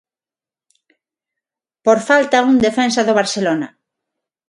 Por falta a un defensa do Barcelona.